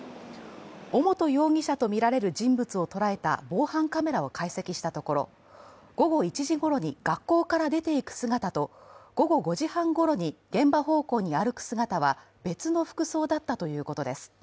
尾本容疑者とみられる人物を捉えた防犯カメラを解析したところ、午後１時ごろに学校から出ていく姿と午後５時半ごろに現場方向に歩く姿は別の服装だったということです。